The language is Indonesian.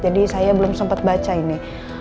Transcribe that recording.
jadi saya belum sempet baca ini